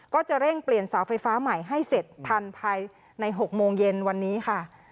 ก็จะเร่งเปลี่ยนเสาไฟฟ้าใหม่ให้เสร็จทันภายใน๖โมงเย็นวันนี้ค่ะ